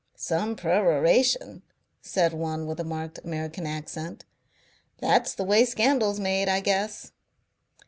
"Some peroration," said one with a marked American accent. "That's the way scandal's made, I guess."